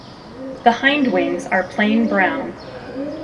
The hindwings are plain brown.